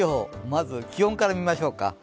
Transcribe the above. まず気温から見ましょうか。